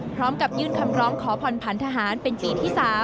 พร้อมกับยื่นคำร้องขอผ่อนผันทหารเป็นปีที่๓